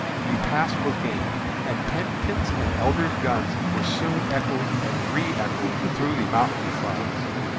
"The pass was gained, and Pennington's and Elder's guns were soon echoing and reëchoing through the mountain defiles.